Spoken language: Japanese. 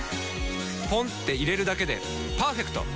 ポンって入れるだけでパーフェクト！